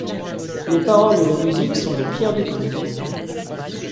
Les paroles et la musique sont de Pierre Dupont.